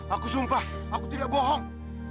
aku sumpah aku tidak bohong